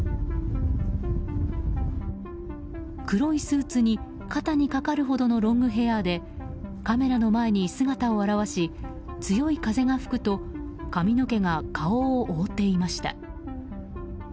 黒いスーツに肩にかかるほどのロングヘアでカメラの前に姿を現し強い風が吹くと髪の毛が顔を覆っていました。